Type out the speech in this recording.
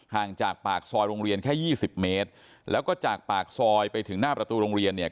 ห่างจากปากซอยโรงเรียนแค่ยี่สิบเมตรแล้วก็จากปากซอยไปถึงหน้าประตูโรงเรียนเนี่ย